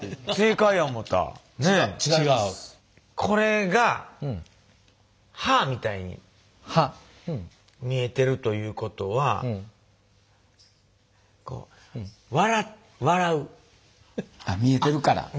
これが歯みたいに見えてるということはあっ見えてるから。